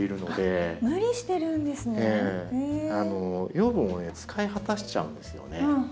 養分をね使い果たしちゃうんですよね。